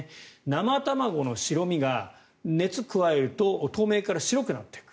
生卵の白身が、熱を加えると透明から白くなっていく。